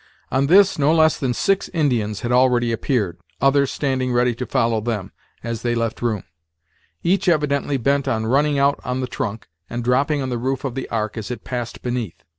On this no less than six Indians had already appeared, others standing ready to follow them, as they left room; each evidently bent on running out on the trunk, and dropping on the roof of the ark as it passed beneath.